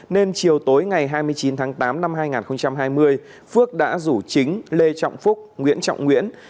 nên chiều tối ngày hai mươi chín tháng tám năm hai nghìn hai mươi phước đã rủ chính lê trọng phúc nguyễn trọng nguyễn